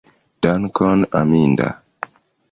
Dankon, Aminda!